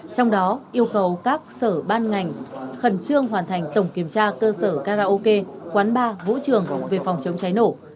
trong đó yêu cầu các sở ban ngành khẩn trương hoàn thành tổng kiểm tra cơ sở karaoke quán bar vũ trường về phòng chống cháy nổ